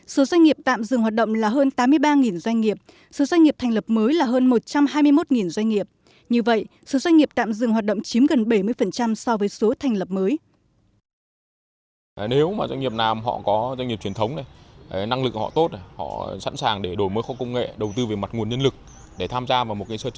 số doanh nghiệp tạm dừng hoạt động là hơn tám mươi ba doanh nghiệp số doanh nghiệp thành lập mới là hơn một trăm hai mươi một doanh nghiệp